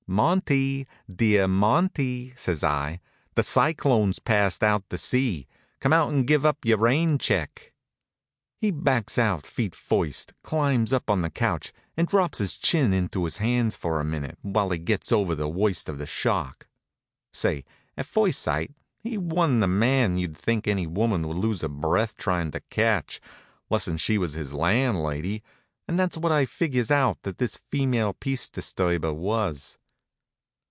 "Monty, dear Monty," says I, "the cyclone's passed out to sea. Come out and give up your rain check." He backs out feet first, climbs up on the couch, and drops his chin into his hands for a minute, while he gets over the worst of the shock. Say, at first sight he wa'n't a man you'd think any woman would lose her breath tryin' to catch, less'n she was his landlady, and that was what I figures out that this female peace disturber was.